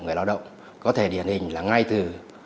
người lao động có thể điển hình là ngay từ